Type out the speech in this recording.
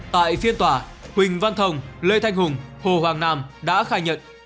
tại phiên tòa huỳnh văn thồng lê thanh hùng hồ hoàng nam đã khai nhận